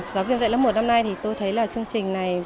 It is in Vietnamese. giáo viên dạy lớp một năm nay thì tôi thấy là chương trình này